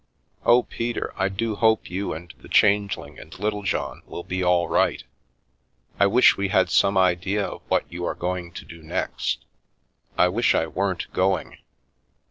Oh, Peter, I do hope you and the Change ling and Littlejohn will be all right I wish we had some idea of what you are going to do next I wish I weren't going."